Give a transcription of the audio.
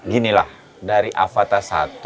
gini lah dari avata satu